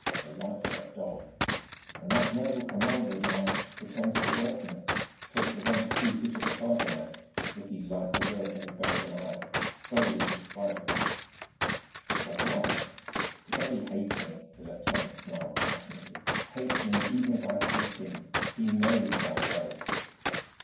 The life of a dog! And that noble commander of mine pretends to welcome it, talks of one's duty to the Fatherland as if he liked the work any better than I! solely to spite me!" "But why?" "Because he hates me," the lieutenant snarled passionately "hates me even as I hate him he knows how well!"